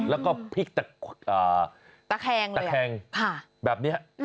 แล้วก็พลิกตะแคงแบบนี้